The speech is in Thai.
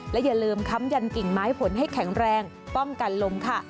อย่าลืมค้ำยันกิ่งไม้ผลให้แข็งแรงป้องกันลมค่ะ